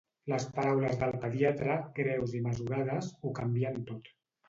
Les paraules del pediatre, greus i mesurades, ho canvien tot.